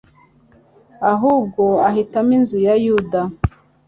ahubwo ahitamo inzu ya Yuda